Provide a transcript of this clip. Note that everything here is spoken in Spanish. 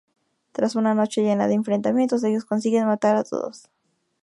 Tras una noche llena de enfrentamientos, ellos consiguen matar a todos.